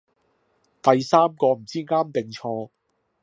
第三個唔知啱定錯